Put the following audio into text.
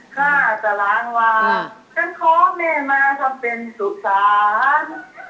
ข้าจะล้างวางแต่ขอแม่มาทำเป็นสุสาน